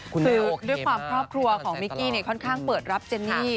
คุณน่าโอเคมากด้วยความครอบครัวของมิกกี้เนี่ยค่อนข้างเปิดรับเจนนี่